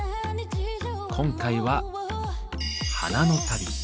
今回は「花の旅」。